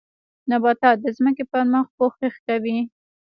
نباتات د ځمکې پر مخ پوښښ کوي